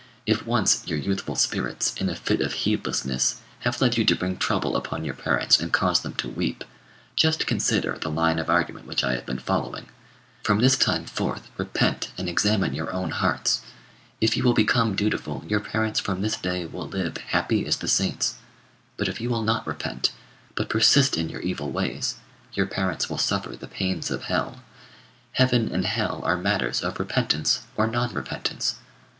If once your youthful spirits, in a fit of heedlessness, have led you to bring trouble upon your parents and cause them to weep, just consider the line of argument which I have been following. From this time forth repent and examine your own hearts. If you will become dutiful, your parents from this day will live happy as the saints. But if you will not repent, but persist in your evil ways, your parents will suffer the pains of hell. Heaven and hell are matters of repentance or non repentance.